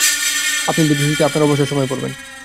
আপনি ধীরে-সুস্থে আপনার অবসর সময়ে পড়বেন।